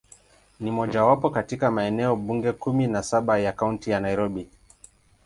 Ni mojawapo kati ya maeneo bunge kumi na saba ya Kaunti ya Nairobi.